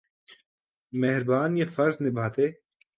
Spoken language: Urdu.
مہربان یہ فرض نبھاتے۔